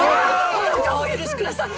どうかお許しください！